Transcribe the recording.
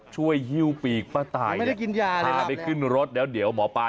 ช่วยฮิ้วปีกป้าตายพาไปขึ้นรถแล้วเดี๋ยวหมอปลา